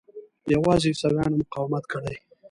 یوازې عیسویانو مقاومت کړی.